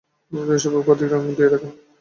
তিনি সর্বাপেক্ষা অধিক রান দিয়ে থাকেন।